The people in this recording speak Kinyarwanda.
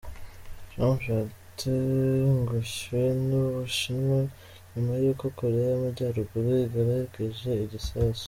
Trump 'yatengushywe' n'Ubushinwa nyuma y'uko Koreya y'Amajyaruguru igeragereje igisasu.